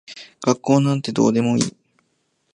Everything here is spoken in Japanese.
学校なんてどうでもいい。